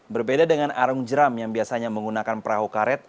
berbeda dengan arung jeram yang biasanya menggunakan perahu karet